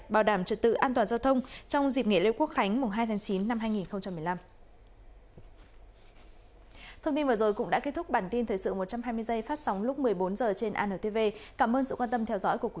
bảo đảm trật tự an toàn giao thông trong dịp nghỉ lễ quốc khánh hai chín hai nghìn một mươi năm